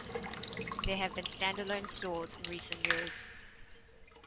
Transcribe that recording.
There have been stand-alone stores in recent years.